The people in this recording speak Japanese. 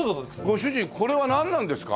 ご主人これはなんなんですか？